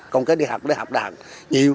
công kết đi học đi học đàn nhiều